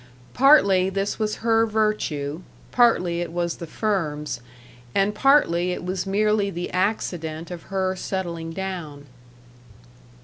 Partly, this was her virtue, partly it was the firm's, and partly it was merely the accident of her settling down.